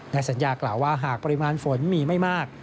สัญญากล่าวว่าหากปริมาณฝนมีไม่มาก